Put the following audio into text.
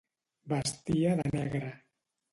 Vestia de negre.